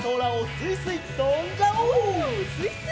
すいすい！